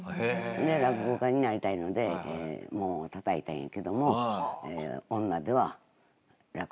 落語家になりたいので門をたたいたんやけども。